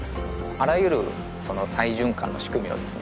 あらゆる再循環の仕組みをですね